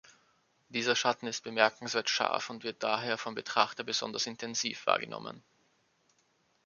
Dieser Schatten ist bemerkenswert scharf und wird daher vom Betrachter besonders intensiv wahrgenommen.